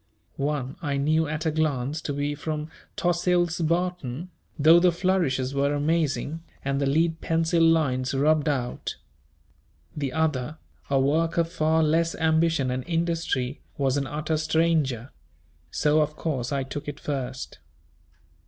One I knew at a glance to be from Tossil's Barton, though the flourishes were amazing, and the lead pencil lines rubbed out. The other, a work of far less ambition and industry, was an utter stranger; so of course I took it first.